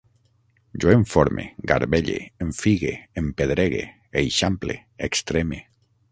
Jo enforme, garbelle, enfigue, empedregue, eixample, extreme